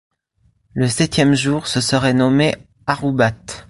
Le septième jour se serait nommé ʿaroubat.